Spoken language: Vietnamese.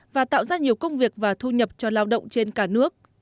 và tạo ra nhiều công việc và thu nhập cho lao động trên cả nước